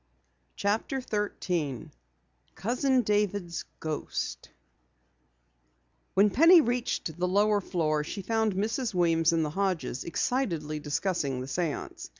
CHAPTER 13 COUSIN DAVID'S GHOST When Penny reached the lower floor she found Mrs. Weems and the Hodges excitedly discussing the séance.